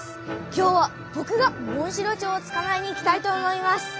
今日はぼくがモンシロチョウをつかまえに行きたいと思います。